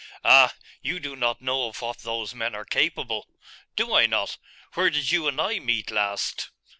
'Ah, you do not know of what those men are capable!' 'Do I not? Where did you and I meet last?